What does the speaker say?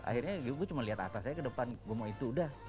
akhirnya gue cuma lihat atas aja ke depan gue mau itu udah